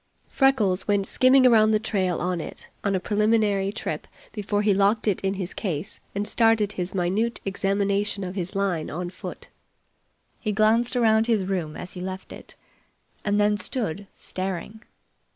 Freckles went skimming around the trail on it on a preliminary trip before he locked it in his case and started his minute examination of his line on foot. He glanced around his room as he left it, and then stood staring.